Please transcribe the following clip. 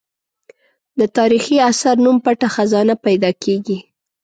د تاریخي اثر نوم پټه خزانه پیدا کېږي.